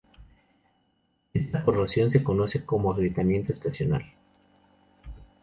Esta corrosión se conoce como agrietamiento estacional.